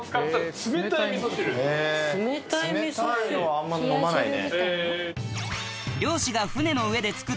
冷たいのはあんまり飲まないね。